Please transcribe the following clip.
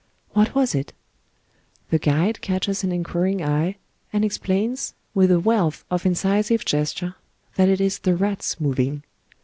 What was it ? The guide catches an inquiring eye, and explains, with a wealth of incisive gesture, that it is the rats moving.